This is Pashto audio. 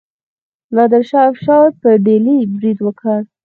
نادر شاه افشار په ډیلي برید وکړ.